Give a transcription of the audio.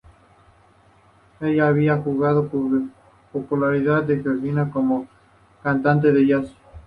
Ella había ganado popularidad en Georgia como cantante de jazz.